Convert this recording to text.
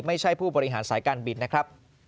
ผู้บริหารสายการบินนะครับ